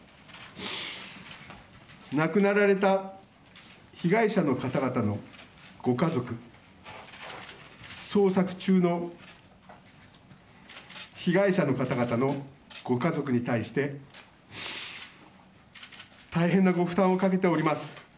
亡くなられた被害者の方々のご家族捜索中の被害者の方々のご家族に対して大変なご負担をかけております。